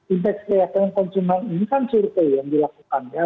indeks keyakinan konsumen ini kan survei yang dilakukan ya